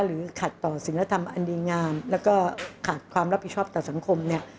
หรือขัดต่อศิลธรรมอันดีงามแล้วก็ขาดความรับผิดชอบต่อสังคมเนี่ย